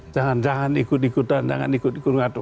jangan ikut ikutan jangan ikut ikutan